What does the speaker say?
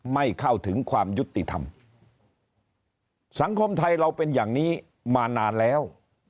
ไม่เข้าถึงความยุติธรรมสังคมไทยเราเป็นอย่างนี้มานานแล้ว